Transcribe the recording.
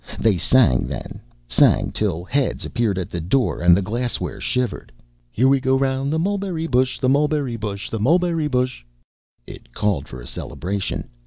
They sang then, sang till heads appeared at the door and the glassware shivered. _Here we go 'round the mulberry bush, The mulberry bush, the mulberry bush _ It called for a celebration.